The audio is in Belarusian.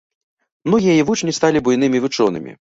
Многія яе вучні сталі буйнымі вучонымі.